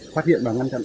phát hiện và ngăn chặn